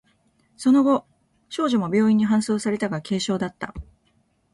その後、少女も病院に搬送されたが、軽傷だった。